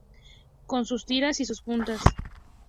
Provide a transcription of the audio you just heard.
Con sus tiras y sus puntas.